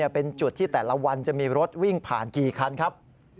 เป็นจุดที่แต่ละวันจะมีรถวิ่งผ่านกี่คันครับ